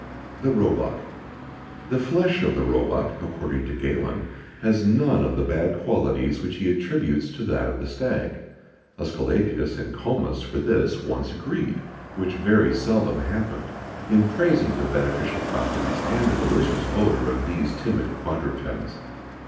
[XIX 56] THE ROEBUCK. The flesh of the roebuck, according to Galen, has none of the bad qualities which he attributes to that of the stag.[XIX 57] Esculapius and Comus for this once agreed which very seldom happened in praising the beneficial properties and the delicious odour of these timid quadrupeds.